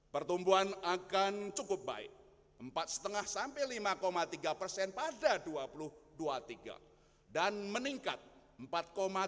pertumbuhan akan cukup baik empat lima lima tiga pada dua ribu dua puluh tiga dan meningkat empat tujuh lima lima pada dua ribu dua puluh empat